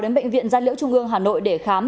đến bệnh viện gia liễu trung ương hà nội để khám